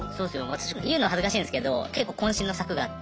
私言うの恥ずかしいんですけど結構渾身の作があって。